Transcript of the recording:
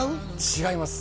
違います